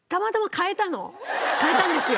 変えたんですよ